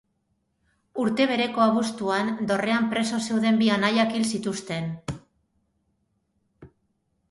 Urte bereko abuztuan, Dorrean preso zeuden bi anaiak hil zituzten.